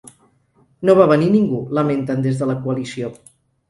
No va venir ningú, lamenten des de la coalició.